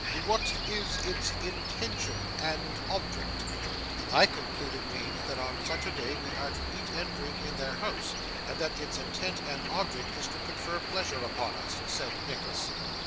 What is its intention and object?' 'I conclude it means, that on such a day we are to eat and drink in their house, and that its intent and object is to confer pleasure upon us,' said Nicholas.